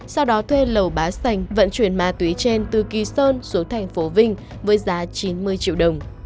sau đó thuê lầu bá sành vận chuyển ma túy trên từ kỳ sơn xuống thành phố vinh với giá chín mươi triệu đồng